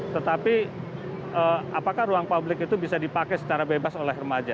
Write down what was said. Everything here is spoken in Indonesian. tetapi apakah ruang publik itu bisa dipakai secara bebas oleh remaja